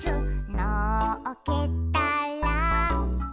「のっけたら」